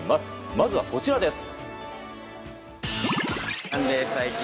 まずは、こちらです。